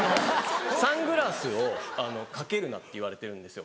サングラスを掛けるなって言われてるんですよ。